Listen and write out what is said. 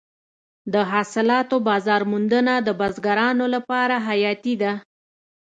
د حاصلاتو بازار موندنه د بزګرانو لپاره حیاتي ده.